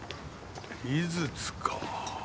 井筒か。